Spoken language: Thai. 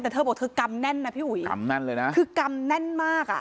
แต่เธอบอกเธอกำแน่นนะพี่อุ๋ยกำแน่นเลยนะคือกำแน่นมากอ่ะ